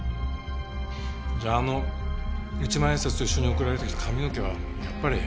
じゃああの１万円札と一緒に送られてきた髪の毛はやっぱり。